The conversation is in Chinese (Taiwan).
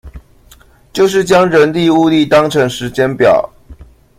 就是將人力物力當成時間表